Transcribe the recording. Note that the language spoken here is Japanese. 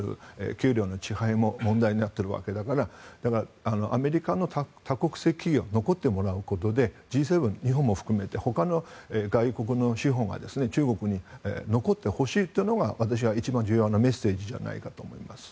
給料の遅配も問題になっているわけだからアメリカや多国籍企業に残ってもらうことでＧ７、日本も含めて他の外国の資本に中国に残ってほしいというのが一番重要なメッセージじゃないかと思います。